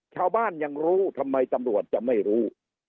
ชาวบ้านยังรู้ทำไมตำรวจจะไม่รู้